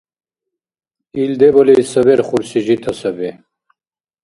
Ил дебали саберхурси жита саби.